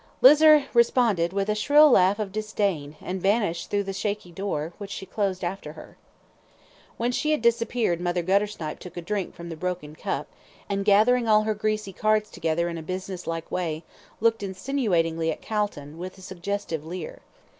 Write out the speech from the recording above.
Lizer responded with a shrill laugh of disdain, and vanished through the shaky door, which she closed after her. When she had disappeared Mother Guttersnipe took a drink from the broken cup, and, gathering all her greasy cards together in a business like way, looked insinuatingly at Calton, with a suggestive leer.